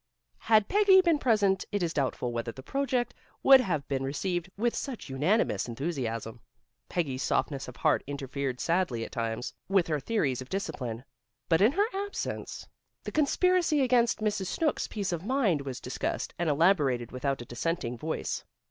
Had Peggy been present it is doubtful whether the project would have been received with such unanimous enthusiasm. Peggy's softness of heart interfered sadly, at times, with her theories of discipline. But in her absence the conspiracy against Mrs. Snooks' peace of mind was discussed and elaborated without a dissenting voice.